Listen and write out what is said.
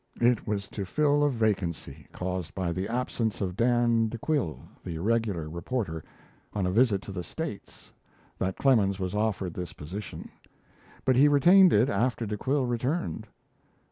It was to fill a vacancy, caused by the absence of Dan De Quille, the regular reporter, on a visit to "the States," that Clemens was offered this position; but he retained it after De Quille returned.